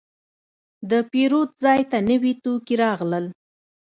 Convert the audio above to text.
د پیرود ځای ته نوي توکي راغلل.